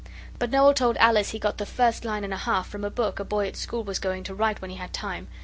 But Noel told Alice he got the first line and a half from a book a boy at school was going to write when he had time.